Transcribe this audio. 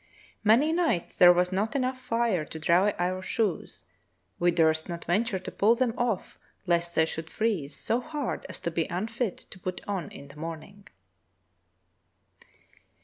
Many nights there was not enough fire to dry our shoes; we durst not venture to pull them off lest they should freeze so hard as to be unfit to put on in the morning."